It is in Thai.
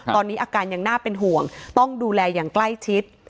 ตอนนี้อาการยังน่าเป็นห่วงต้องดูแลอย่างใกล้ชิด